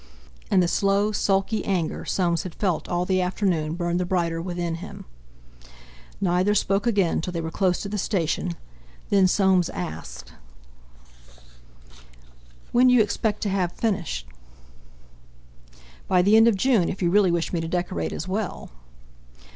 And the slow, sulky anger Soames had felt all the afternoon burned the brighter within him. Neither spoke again till they were close to the Station, then Soames asked: "When do you expect to have finished?" "By the end of June, if you really wish me to decorate as well."